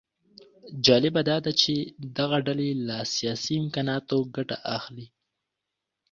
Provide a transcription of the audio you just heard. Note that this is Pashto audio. جالبه داده چې دغه ډلې له سیاسي امکاناتو ګټه اخلي